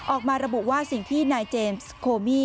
ออกมาระบุว่าสิ่งที่นายเจมส์โคมี่